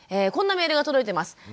こんなメールが届いてます。